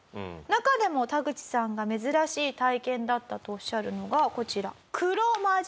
中でもタグチさんが珍しい体験だったとおっしゃるのがこちら。